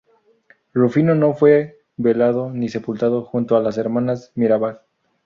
Rufino no fue velado, ni sepultado, junto a las hermanas Mirabal.